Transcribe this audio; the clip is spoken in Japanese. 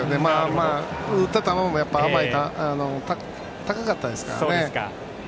打った球も高かったですからね。